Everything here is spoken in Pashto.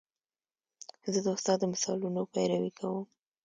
زه د استاد د مثالونو پیروي کوم.